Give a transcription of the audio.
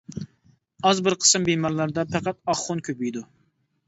ئاز بىر قىسىم بىمارلاردا پەقەت ئاق خۇن كۆپىيىدۇ.